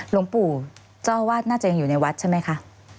หลวงปู่เจ้าอาวาสน่าจะยังอยู่ในวัดใช่ไหมคะ